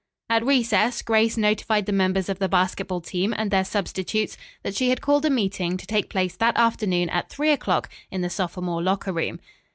At recess Grace notified the members of the basketball team and their substitutes that she had called a meeting to take place that afternoon at three o'clock in the sophomore locker room.